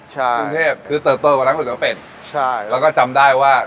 ใช่กรุงเทพคือเติบเติบกว่านั้นก๋วยเตี๋ยวเป็ดใช่แล้วก็จำได้ว่า